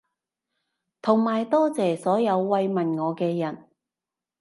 同埋多謝所有慰問我嘅人